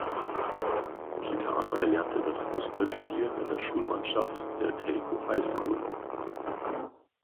Kitano erlernte das Fußballspielen in der Schulmannschaft der "Teikyo High School".